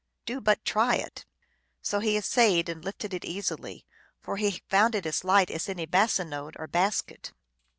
" Do but try it !" So he essayed and lifted it easily, for he found it as light as any bassinode or basket.